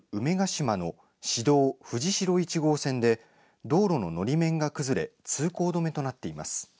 島の市道、藤代１号線で道路ののり面が崩れ通行止めとなっています。